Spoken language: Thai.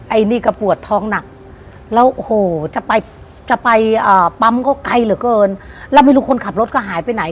ไอ้นี่ก็ปวดท้องหนักแล้วโอ้โหจะไปจะไปปั๊มก็ไกลเหลือเกินแล้วไม่รู้คนขับรถก็หายไปไหน